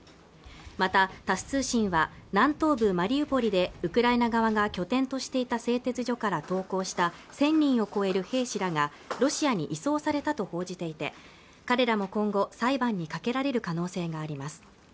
またタス通信は南東部マリウポリでウクライナ側が拠点としていた製鉄所から投降した１０００人を超える兵士らがロシアに移送されたと報じていて彼らも今後裁判にかけられる可能性があります